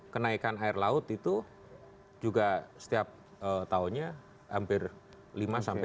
kenaikan air laut itu juga setiap tahunnya hampir lima sampai